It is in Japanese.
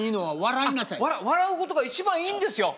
笑うことが一番いいんですよ。